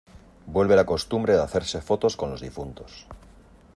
Vuelve la costumbre de hacerse fotos con los difuntos.